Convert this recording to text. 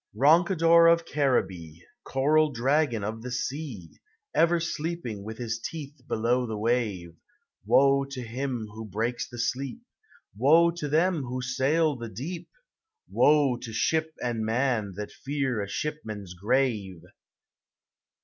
Roncador of Caribee, Coral dragon of the sea, Ever sleeping with his teeth below T the wave; Woe to him who breaks the sleep ! Woe to them who sail the deep ! Woe to ship and man that fear a shipman's grave!